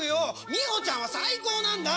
みほちゃんは最高なんだ！